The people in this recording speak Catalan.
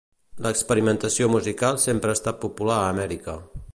L'experimentació musical sempre ha estat popular a Amèrica.